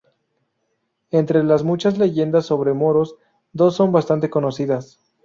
Entre las muchas leyendas sobre moros dos son bastante conocidas.